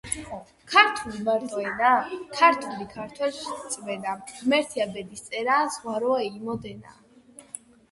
ქარტული მარტო ენაა? ქართული ქართველთ რწმენაა, ღმერთია ბედისწერაა, ზღვა როა იმოდენაა